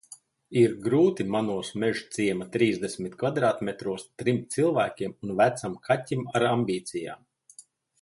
Ir grūti manos Mežciema trīsdesmit kvadrātmetros trim cilvēkiem un vecam kaķim ar ambīcijām.